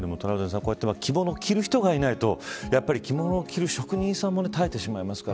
こうやって着物を着る人がいないと着物を着る職人さんも絶えてしまいますから。